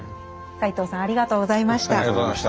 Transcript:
斎藤さんありがとうございました。